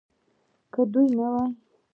که دوی نه وي